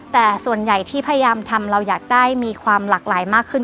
แต่ส่วนใหญ่ที่พยายามทำเราอยากได้มีความหลากหลายมากขึ้น